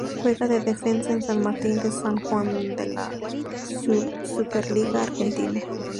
Juega de defensa en San Martín de San Juan de la Superliga Argentina.